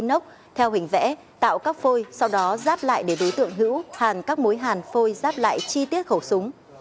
tân đã vẽ mô hình nốc theo hình vẽ tạo các phôi sau đó giáp lại để đối tượng hữu hàn các mối hàn phôi giáp lại chi tiết khẩu súng